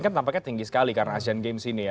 kan tampaknya tinggi sekali karena asean game sini ya